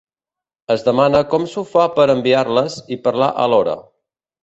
Es demana com s'ho fa per enviar-les i parlar alhora.